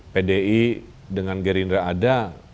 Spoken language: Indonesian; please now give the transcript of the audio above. pdi dengan gerindra ada